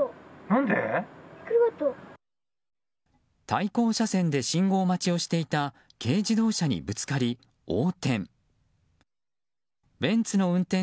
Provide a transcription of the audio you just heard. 対向車線で信号待ちをしていた軽自動車にぶつかり、横転。